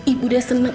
ibu udah seneng